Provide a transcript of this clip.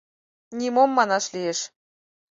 Нимом, манаш лиеш.